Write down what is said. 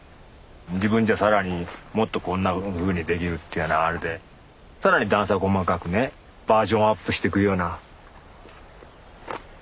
自分じゃ更にもっとこんなふうにできるっていうようなあれで更に段差細かくねバージョンアップしてくような。